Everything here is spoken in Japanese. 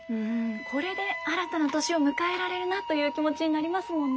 これで新たな年を迎えられるなという気持ちになりますもんね。